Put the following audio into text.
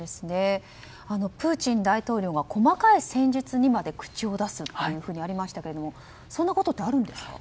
プーチン大統領が細かい戦術にまで口を出すとありましたがそんなことってあるんですか？